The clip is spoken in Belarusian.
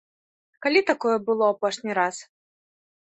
Калі такое было апошні раз?